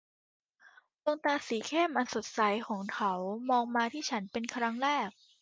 ดวงตาสีเข้มอันสดใสของเขามองมาที่ฉันเป็นครั้งแรก